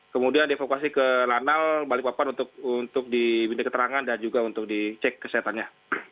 kemudian dievakuasi ke lanal balikpapan untuk diminta keterangan dan juga untuk dicek kesehatannya